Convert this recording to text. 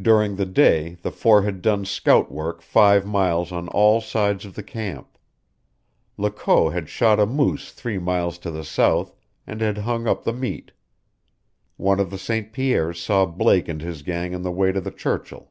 During the day the four had done scout work five miles on all sides of the camp. Lecault had shot a moose three miles to the south, and had hung up the meat. One of the St. Pierres saw Blake and his gang on the way to the Churchill.